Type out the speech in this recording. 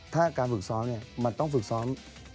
ถ้าการฝึกซ้อมเนี่ยมันต้องฝึกซ้อม